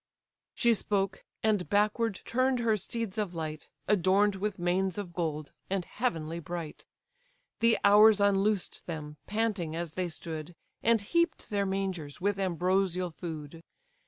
She spoke, and backward turn'd her steeds of light, Adorn'd with manes of gold, and heavenly bright. The Hours unloosed them, panting as they stood, And heap'd their mangers with ambrosial food.